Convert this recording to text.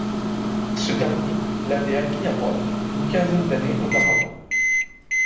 Ce dernier l'avait acquis à Rome une quinzaine d'année auparavant.